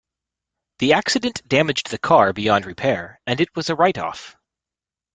The accident damaged the car beyond repair, and it was a write-off